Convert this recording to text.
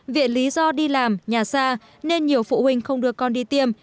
vì lý do đi làm nhà xa nên nhiều phụ huynh không đưa con đi tiêm